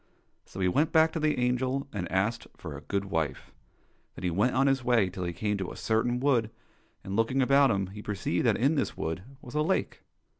So he went back to the angel and asked for a good wife. Then he went on his way till he came to a certain wood, and, looking about him, he perceived that in this wood was a lake.